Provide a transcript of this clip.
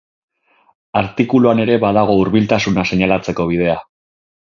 Artikuluan ere badago hurbiltasuna seinalatzeko bidea.